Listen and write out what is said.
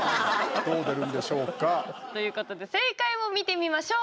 どう出るんでしょうか。ということで正解を見てみましょう。